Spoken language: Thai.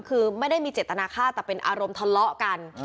คือไม่ได้มีเจตนาค่าแต่เป็นอารมณ์ทะเลาะกัน